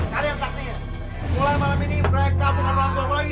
kalian saksikan mulai malam ini mereka bukan orang tua saya lagi